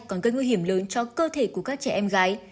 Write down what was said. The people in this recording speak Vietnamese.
còn gây nguy hiểm lớn cho cơ thể của các trẻ em gái